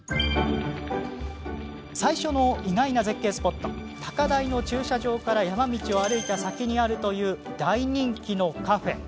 最初の意外な絶景スポットは高台の駐車場から山道を歩いた先にあるという大人気のカフェ。